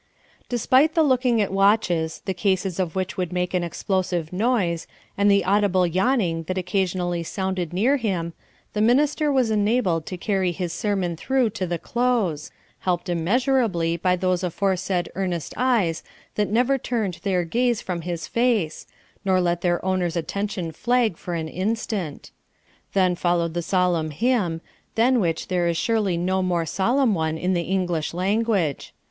Despite the looking at watches, the cases of which would make an explosive noise, and the audible yawning that occasionally sounded near him, the minister was enabled to carry his sermon through to the close, helped immeasurably by those aforesaid earnest eyes that never turned their gaze from his face, nor let their owners' attention flag for an instant. Then followed the solemn hymn, than which there is surely no more solemn one in the English language.